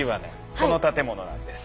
この建物なんです。